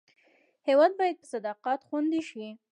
هېواد باید په صداقت خوندي شي.